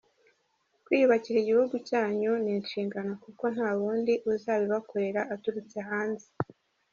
Kwiyubakira igihugu cyanyu ni inshingano kuko nta wundi uzabibakorera aturutse hanze.